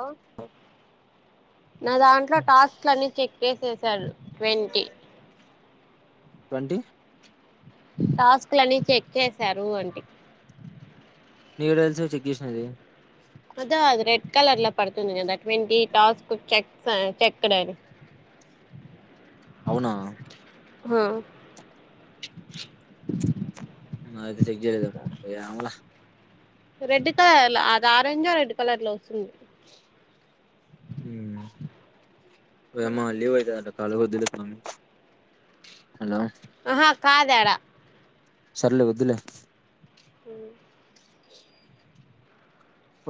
ఓ ఓయ్క్ నా దాంట్లో టాస్క్లన్ని చెక్ చెసెసారు ట్వంటీ ట్వంటి టాస్క్లని చెక్ చేసారు ఆంటీ నెకెట్ల తెలుసు చెక్ చేసింది అధూ అది రెడ్ కలర్ లో పడుతుంది కదా ట్వాంటి టాస్ కు చెక్ చెక్కడ అని అవునా హు నాధ్ అయితే చెక్ చేయలేదా ఎమో ఎమోలే రెడ్ కలర్ లో అది ఆరెంజ ఆ రెడ్ కలర్ లో వస్తుంది ఉమ్ వోయమ్మ అళ్ళవయితేంట కాల కొద్దులు అవును ఆహా కాదేడా సర్లే వద్దులే ఉమ్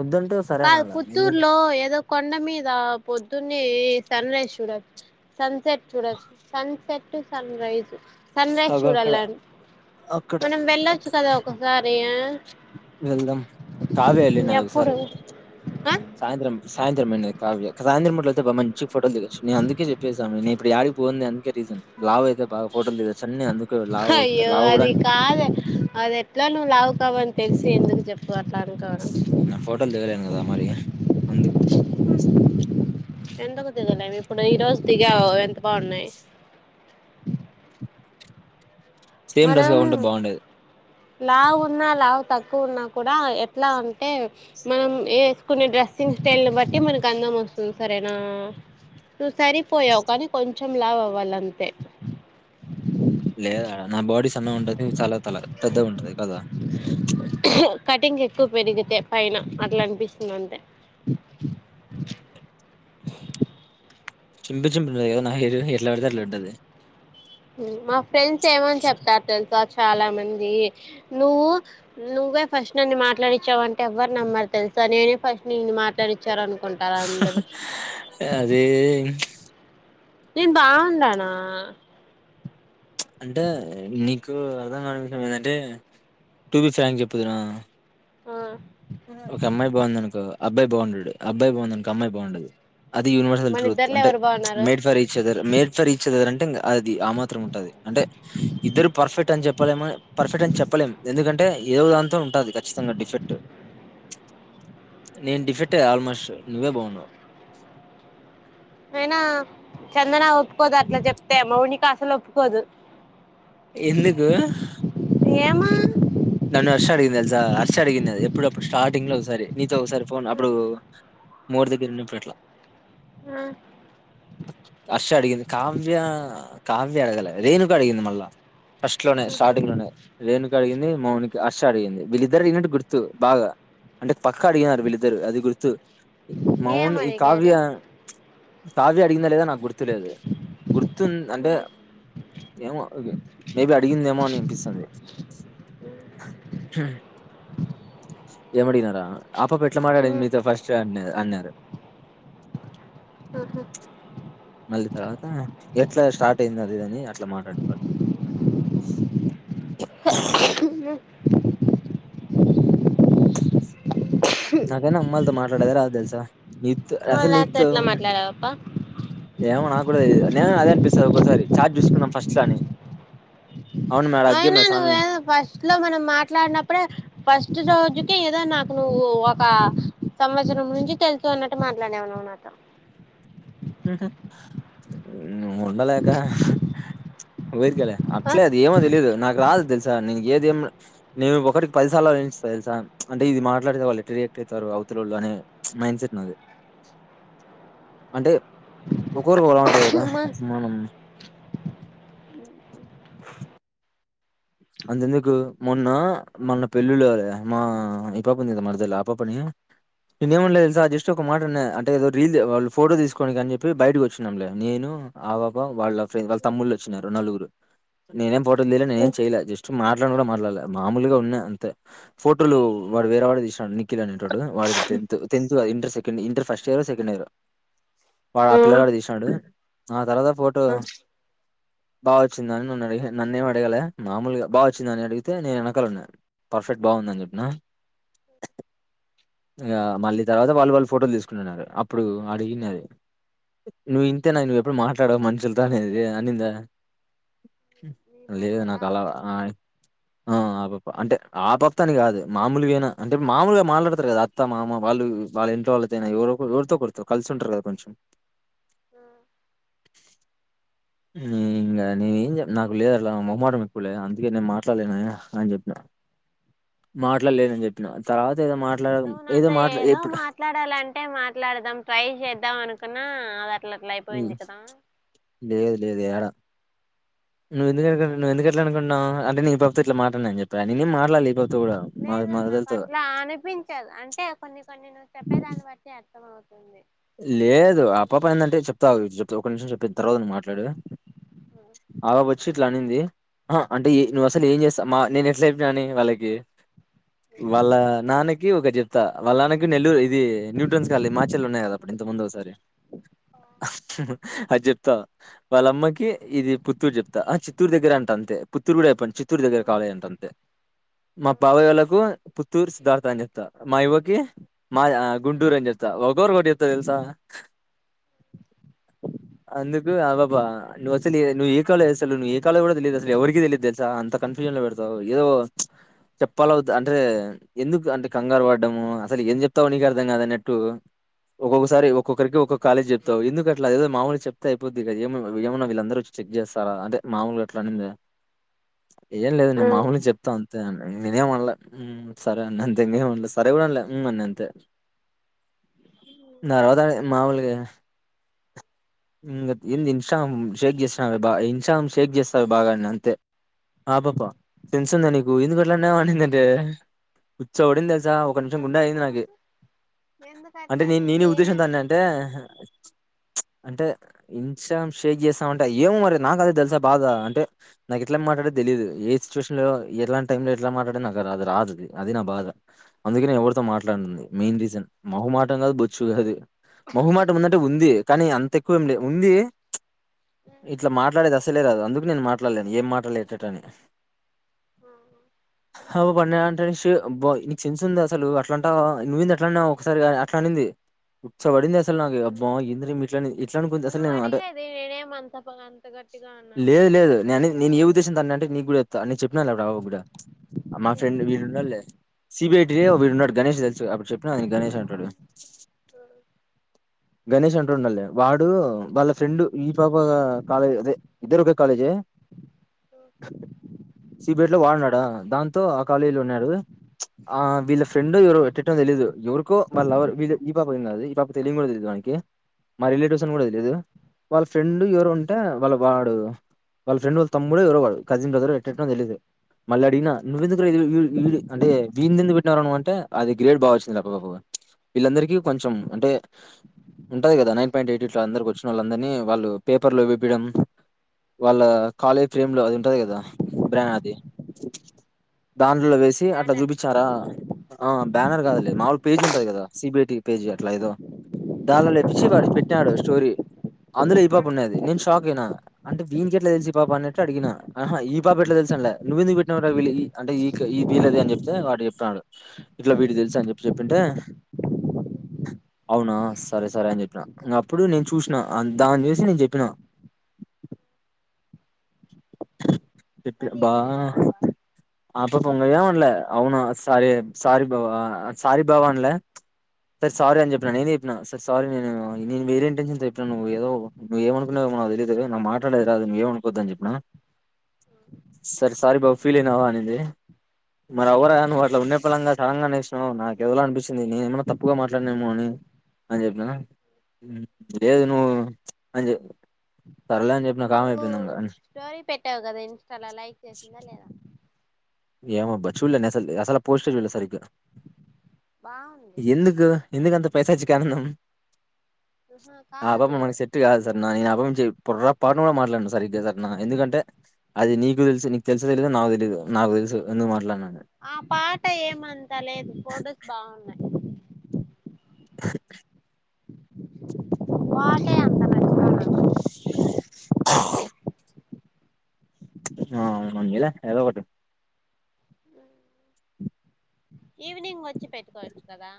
వద్దంటే కాదు సరేనాల ఎందుకు పుత్తూరులో ఏదో కొండ మీద పొద్దున్నే సన్ రైజ్ చూడాలి సన్సెట్ చూడచ్చు sunset sunrise sunrise అగో అక్కడ చూడాలం అక్కడ మనం వెళ్ళొచ్చు కదా ఒకసారి వెళ్దాం కాల్ చెయ్ నాకు ఎప్పుడు ఒక్కసారి ఆ సాయంత్రం సాయంత్రం కావ్య సాయంత్రం అంతే బా మంచి ఫోటో దిగచ్చును నేను అందుకే చెప్పేసాను నేను ఇప్పుడికి పోను అందుకే రీజన్ అయితే బా ఫోటో దిగచ్చ అయ్యో అది కాదు అది ఎట్లా నువ్వు లావు కావని తెలిసి ఎందుకు చెప్ అట్లా అనుకోవడం నేను ఫోటోలు దిగలేను కదా మరి అందుకు ఎందుకు దిగలేవు ఇప్పుడు ఈ రోజు దిగావు ఎంత బాగున్నాయి సేమ్ డ్రెస్ మనం కాకుంటే బాగుండేది లావు ఉన్నా లావున తక్కువ ఉన్నా కూడా ఎట్లా అంటే మనం వేసుకునే డ్రెస్సింగ్ స్టైల్ నీ బట్టి మనకి అందం వస్తుంది సరేనా ను సరిపోయావు కానీ కొంచెం లావు అవాలి అంతే లేదా నా బాడీ సన్న ఉంటది చాలా తల పెద్ద ఉంటది కదా కటింగ్ ఎక్కువ పెరిగితే పైన అట్లా అనిపిస్తుంది అంతే చింపి చింపి ఉంట కదా నాహెయిర్ ఎట్లా పడితే అట్లా ఉంటది మా ఫ్రెండ్స్ ఏమని చెప్తారు తెలుస చాలా మంది నువ్వు నువ్వే ఫస్ట్ నన్ను మాట్లాడిచ్చావంటే ఎవ్వరు నమ్మరు తెలుసు నేనే ఫస్ట్ నిన్ను మాట్లాడించాను అదే నేను భావుండానా అంటే నీ నీకు అర్థం కానీ విషయం ఏంటంటే టూబి ఫ్రాంక్ చెప్పుదునా ఓ ఒక అమ్మాయి బాగుందినుకో అబ్బాయి బాగుండడు అబ్బాయి బాగుందనుకో అమ్మాయి బాగుండదు అది యూనివర్సల్ మన ట్రూత్ ఇద్దర్లో అంటే ఎవరు బాగున్నారు made for each other made for each other అంటే అది ఆ మాత్రం ఉంటుంది అంటే ఇద్దరు పర్ఫెక్ట్ అని చెప్పా చెప్పలేముని పర్ఫెక్ట్ అని చెప్పలేము ఎందుకంటే ఏదో దాంతో ఉంటుంది ఖచ్చితంగా డిఫెక్ట్ నేను డిఫెక్ట్ ఆల్మోస్ట్ నువ్వే బాగున్నావ్ అయినా చందన ఒప్పుకోదు అట్లా చెప్తే మౌనిక అసలు ఒప్పుకోదు ఎందుకు ఏమా నన్ను హర్ష అడిగింది తెలుసా హర్ష అడిగింది ఇప్పుడు అప్పుడు స్టార్టింగ్ లో ఒకసారి నీతో ఒకసారి ఫోన్ అప్పుడు మోర్ దగ్గర ఉన్నప్పుడు అట్లా ఆ హర్ష అడిగింది కావ్య కావ్య అడగల రేణుక అడిగింది మల్ల ఫస్ట్ లోనే స్టార్టింగ్ లోనే రేణుక అడిగింది మౌనికి హర్ష అడిగింది వీళ్ళిద్దరు ఇన్నట్టు గుర్తు బాగా అంటే పక్క అడిగినారు వీళ్ళిద్దరు అది గుర్తు ఏం మౌన్ ఈ కావ్య అడిగారు కావ్య అడిగిందా లేదా నాకు గుర్తులేదు గుర్తు అంటే ఏమో మేబి అడిగిందేమో అని అనిపిస్తుంది ఎమడిగినారా ఆ పాప ఎట్లా మాట్లాడింది నీతో ఫస్ట్ అన్నారు అన్నారు ఉహు మళ్ళీ తర్వాత ఎట్లా స్టార్ట్ అయింది అదిదని అట్లా మాట్లాడతారు నాకన్న అమ్మాయిలతో మాట్లాడేది రాదు తెలుసా నీతో మళ్ళ అసలు నాతో నీతో ఎట్లా మాట్లాడావప్ప ఏమో నా ఇప్పుడు అదే నేను అదే అనిపిస్తుంది ఒకసారి చాట్ చూసుకున్నాం ఫస్ట్ లో అని అవును మేడ అయినా అగ్గేమే సామి నువ్వే ఫస్ట్ లో మనం మాట్లాడినప్పుడే ఫస్ట్ రోజు అంటే ఏదో నాకు నువ్వు ఒక సంవత్సరం నుంచి తెలుసు అన్నట్టు మాట్లాడేవు నువ్వు నాతో ఉ ఉండలేకా ఉహించల ఆ అట్లే అది ఏమో తెలీయదు నాకు రాదు తెలు స నే [unintelligible] ఏదిేం నేను ఒకటికి ఒకటికి పది సార్లు ఆలోచించిన తెలుసా అంటే ఇది మాట్లాడితే వాళ్ళు ఎట్లా రియాక్ట్ అవుతారు అ అంటే ఒకొరికి ఒకల ఉంటది కదా అమ్మా అంతెందుకు మొన్న మొన్న పెళ్ళిలో మా ఓ పాప ఉంది కదా మరదల్ ఆ పాపని నినేం ఏమనల తెలుసా జస్ట్ ఒక మాట అన్నా అంటే ఏదో రీల్ ఫోటో తీసుకోనికీ అని చెప్పి బయటకి వచ్చినంలే నేను ఆ పాప వాళ్ళ ఫ్రెండ్ వాళ్ళ తమ్ముళ్లు వచ్చినారు నలుగురు నేనేం పోటోలు తీలే నేనేం చేయలే జస్ట్ మాట్లాడును కూడా మాట్లాల మామూలుగా ఉన్నా అంతే ఫోటోలు వాడు వేరే వాడే తీసాడు నిఖిల్ అని వాడు ఇప్పుడు టెంత్ టెంత్ కాదు ఇంటర్ సెకండ్ ఇంటర్ ఫస్ట్ ఇయరో సెకండ్ ఇయరో ఆ పిల్లగాడు తీసాడు ఆ తర్వాత ఫోటో నన్నేం అడగాల మామూలుగా బాగ వచ్చిందని అడిగితే నేను వెనకాలున్నా పర్ఫెక్ట్ బాగుందని చెప్పిన ఇగ మళ్ళీ తర్వాత వాళ్ళు వాళ్ళు ఫోటోలు తీసుకుంటున్నారు అప్పుడు అడిగినాది నువ్వు ఇంతేనా నువ్వు ఎప్పుడు మాట్లాడవ మనుషులతో అనేద అనిందా నీ లేదు మరదల నాకు అలావ ఆ ఆ నాలుగు [unintelligible] అంటే ఆ పాపతోనే కాదు మామూలుగైనా అంటే మామూలుగా మాట్లాడతారు కదా అత్త మామ వాళ్ళు వాళ్ళ ఇంట్లో వాళ్ళు ఎవరితో కొకరితో కలిసు ఉంటారు కదా కొంచెం ఇంకా నేను ఏందో నాకు లేదు అలా మొమ్మాటం [unintelligible] లే అందుకే నేను మాట్లాడలేనా అని చెప్పినాను మాట్లాడలేదని చెప్పిన ఏదో మాట్లాడ నువ్వు నాతో మాట్లా ఏదో ఎప్పుడు మాట్లాడాలంటే మాట్లాడదాం ట్రై చేద్దాం అనుకున్నా అట్లా అట్లా అయిపోయింది కదా నువ్ ఎందుకు నిజం అనుకుంటున్నావు చెప్పు నువ్వుందుకు అట్ల అనుకున్నావ్ అంటే నేనుఈ పాపతో ఇట్లా మాట్లాడ అని చెప్పా నేనేం మాట్లాలా ఈ పాప లేదు నాకు అట్లా అనిపించదు అంటే కొన్ని కొన్ని నువ్వు చెప్పేదాన్ని బట్టి అర్థం అవుతు లేదు ఆ పాప ఏందంటే చెప్తా అగు ఒక నిమిషం చెప్పిన తర్వాత నువ్వు మాట్లాడు తరువ సో ఇట్లా అనింది ఆ అంటే నువ్వు అసలు ఏం చేసావ్ మా నేను ఎట్లా చేప్పినా అని వాళ్ళకి వాళ్ళ నాన్నకి ఒకటి చెప్తా వాళ్ళ నాన్నకి నెల్లూరు ఇది న్యూట్రన్స్ కావల్ల మా సెల్ ఉన్నాయి కద అప్పుడు ఇంతకు ముందే ఒకసారి ఒకటి చెప్తా వాళ్ళమ్మకి ఇది పుత్తూరు చెప్తా ఆ చిత్తూరు దగ్గర అంటా అంతే పుత్తూరు కూడా అయిపోయింది చిత్తూరు దగ్గర కావాలి అంట అంతే అని చెప్త మా యవ్వ కి మాయ గుంటూరు అని చెప్తా ఒకొరుకి ఒక్కోటి తెలుసా అందుకు ఆ పాప నువ్ అసలు నువ్వు ఏ కాలేజ్ అసలు నువ్వు ఏ కాలేజొ కూడ తెలీదు. అసలు ఎవరికీ తెలీదు అంతా కన్ఫ్యూజన్ లో పెడతావ్ యో చెప్పాల వద్దా అంటే ఎందుకు అంటే కంగారు పడ్డము అసలు ఎం చెప్తావొ నీకు అర్థం కదు అన్నట్టు ఒక్కొక్కసారి ఒక్కొక్కరికి ఒకక్క కాలేజ్ చెప్తావ్ ఎందుకు అట్ల ఏదో మామూలు చెప్తే అయిపోద్దిగ ఏమ ఏమన్నా వీళ్ళందరు వచ్చి చె అంటే మామూలుగా అట్లా అనింద ఏం లేదు నేను మామూలుగా చెప్త అంత్ నేనేం అనల సరే అన్న అంతే ఇంకేం అనలే సరే మళ్ళా మ్మ్ అన్న అంతే [unintelligible] మాములుగ ఇ ఇంది ఇన్స్టాగ్రామ్ షేక్ చేసినా బాల ఇన్స్టాగ్రామ్ శేక్ చేస్తాడు బాలన్న అంతే ఆ పాపా సెన్స్ ఉందా నీకు ఎందుకు అట్లాన్నావ్ అనిందంటే ఉచ్చ పడింద అసలు ఒక నిమిషం గుండె అగింది నాకు ఎందుకు అంటే నే నేనే ఉద్దేశంతో అట్లనింది అన్న అంటే అంటే ఇన్స్టాగ్రామ్ షేక్ చేస్తాం అంటే ఏమో మరి నాకి అదే బాధ అంటే నాకి ఏం మాట్లాడేదొ తెలీదు చూసినవా ఎట్లాంటి టైం లో ఎట్లా మాట్లాడలో నాకు రాదది అది నా బాధ అందుకనే ఎవరితో మాట్లాడంది మెయిన్ రీజన్ మోహమాటం కాదు బొచ్చు కాదు మోహమాటం ఉందంటే ఉంది కానీ అంత ఎక్కువేం లే ఉంది ఇట్లా మాట్లాడేది అసల్ లేదు అందుకు నేను మాట్లాడలేను ఏం మాట్లాల ఎట్లట్ల అని ఆ అ అప్ప అన్నయ్య అంటానే షు అబ్బో నీకు సెన్స్ ఉంద అసలు అట్లా అంటా నువ్వేంది అట్లా అన్నావు ఒకసారి అట్లా అనింది ఉచ్చ పడింది అసల్ నాకి అబ్బా ఏంది రా ఈమె ఇట్లనుకుంది అసలు నువ్వు నేను అంటే అడిగేది నేనేం అంత అంత గట్టిగా అన్నాను లేదు అని లేదు నేను అనేద్ ఏ ఉద్దేశంతో అన్నా అంటే నీకు కూడాచెప్తా నేను చెప్పినాలే అప్పుడు ఆ పాపకి కూడా మా ఫ్రెండ్ వీళ్ళు ఉండాలలే సిబిఐటీ ని వీడు ఉన్నాడు గణేష్ తెలుసుగా అప్పుడు చెప్పినకదా నీకు గణేష్ అనెటోడు గణేష్ అన్ డు ఉన్నాడ్ లే వాడు వాళ్ళ ఫ్రెండ్ ఈ పాప కాలేజ్ అదే ఇద్దరు ఒకే కాలేజే సిబేట్ లో వాడున్నాడా దాంతో ఆ కాలేజీలో ఉన్నాడు ఆ వీళ్ళ ఫ్రెండ్ ఎవరో ఎట్టెటో తెలీదు ఎవరికో వాళ్ళ లవరు ఇదే ఈ పాప ఏం కాదు ఈ పాప తెలియని కూడా తెలియదు వాని కి మా రిలేటివ్స్ అని కూడా తెలిదు వాళ్ళ ఫ్రెండు ఎవరు ఉంటే వాళ్ళ వాడు వాళ్ళ ఫ్రెండ్ వాళ్ళ తమ్ముడో ఎవరో కాదు కజిన్ బ్రదరో ఏటేట్నో తెలీదు మళ్ళీ అడిగిన నువ్వెందుకు రా ఇది విడు విడు అంటే వింది ఎందుకు పెట్టినావ్ రా నువ్వంటే అది గ్రేడ్ బాగా వచ్చింది వీళ్ళందరికీ కొంచెం అంటే ఉంటది కదా నైన్ పాయింట్ ఎయిట్ ఇట్ల అందరికి వచ్చినోళ్ళందరినీ వాళ్ళు పేపర్లో వేపిడం వాళ్ళ కాలేజ్ ఫ్రేమ్ లో అది ఉంటది కదా బ్ర్యా అది దాన్ ట్లో వేసి అట్లా బ్యానర్ చూపించరా ఆ బ్యానర్ కాదులే మాముూలు పేజ్ ఉంటది కదా సిబిఐటి పేజీ అట్లా ఏదో దాండ్లల్లో ఏపిచ్చి వాడికి పెట్టినాడు స్టోరీ అందులో ఈ పాప ఉన్నాది నేను షాక్ అయినా అంటే వినికెట్లా తెలిసు ఈ పాప అన్నట్టు అడిగిన ఆహా ఈ పాప ఎట్లా తెలు సనాల నువ్వు ఎందుకు పెట్టినావ్ ‌రా విళ్ళయి అంటే ఈ ఈ వీళ్ళది అని చెప్తే వాడు చెప్తాన్నాడు ఇట్లా వీడి తెలుసు అని చెప్ చేప్పింటే అవునా స సరే సరే అని చెప్పిన ఇంగ అప్పుడు నేను చూసినా దాని చూసి నేను చెప్పినా చెప్పి మళ్ళీ బా ఏమనిందా పాప ఆ పాప మల్ల ఏమన్ల అవునా సారీ సారీ బావా సారీ బావా అన్ల తే సారీ అని చెప్పిన నేనే చెప్పిన సారీ నేనేమో నేనువేరే ఇంటెన్షన్‌తో చెప్పిన నువ్ ఎదో నువ్ ఏమనుకునవో ఏమో నాకు తెలీదు కదా నాకు మాట్లాడేకీ రాదు నువ్ ఎం అనుకోవద్దు అని చెప్పిన సరే సారీ బావా ఫీల్ అయినవా అనింది మరి అవ్వరా నువ్వుట్లా ఉన్నపలంగా సడన్‌గా అనేసినావ్ నాకు ఏదోలా అనిపించింది నేను ఏమన్నా తప్పుగా మాట్లాడిన ఏమో అని అని చెప్పిన మ్ లేదు నువ్వు అని చె సర్లే అని చెప్పినా కామ్ నువ్వు అయిపోయింది ఇంగ స్టోరీ పెట్టావు కదా ఇంస్టాల లైక్ చేసిందా లేదా ఏమోబ్బా చూల్లే నెఅసల్ అసల పోస్టే చూలే సారిగా బాగుంది. ఎందుకు ఎందుకంత పైశాచిక ఆనందం ఆహా ఆ పాప కాదు మనకి సెట్ కాదు సర్నా నేను ఆ పాప ను పొర్రాపాటున కూడా మాట్లాడను సరిగ్గా సర్నా నేను ఎందుకంటే అది నీకు తెలుసు నీకు తెలుసో తెలీదో నాకు తెలీదు నాకు తెలుసు ఎందుకు మాట్లాడను ఆ పాట ఏమంతా లేదు ఫోటోస్ బాగున్నాయ్ టే అంతా మంచిగాన ఆ ఉన్నీలే ఏదో ఒకటి ఈవినింగ్ వచ్చి పెట్టుకోవచ్చు కదా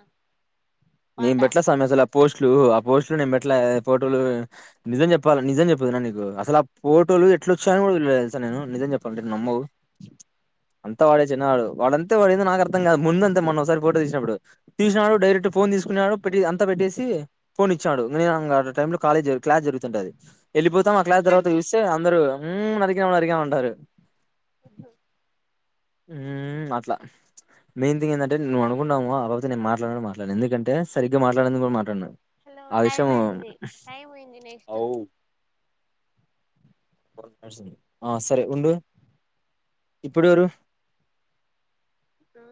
నేను పాట పెట్లే సామి అసలా పోస్ట్లు ఆ పోస్ట్లు నేను పెట్ల ఆ పో టోలు నిజం చెప్పాలా నిజం చెప్పుదున్న నీకు అసల అ పోటోలు ఎట్లోచాయని కూడా తెలవదు తెల్సా నేను నిజం చెప్పాలంటే నమ్మవు అంతా వాడే చిన్నగాడు వాడంతే వడేందో నాకు అర్థం కాదు ముందు అంతే మొన్న ఓసారి ఫోటో తీసినప్పుడు తీసినాడు డైరెక్ట్ ఫోన్ తీసుకునాడు పెట్టి అంతా పెట్టేసి ఫోన్ ఇచ్చానాడు నేను ఇంకా అట టైంలో కాలేజ్ క్లాస్ జరుగుతుంటది ఎళ్ళిపోతాం ఆ క్లాస్ తర్వాత చూస్తే అందరూ హ్మ్మ్ నరికినావ్ నరికినావ్ అంటారు ఉహుమ్ ఉమ్ అట్లా మెయిన్ థింగ్ ఏందంటే నువ్వు అనుకుంటావుగా ఆరోజే నేను మాట్లాడను కూడా మాట్లాడను ఎందుకంటే సరిగ్గా మాట్లాడింది కూడా మాట్లాడాను నేను హలో టైం అయింది టైం అయింది నెక్స్ట్ అవు ఆ సరే ఉండు ఇప్పుడు ఎవురు ఆ